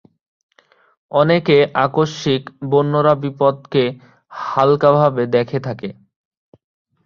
অনেকে আকস্মিক বন্যার বিপদকে হালকাভাবে দেখে থাকে।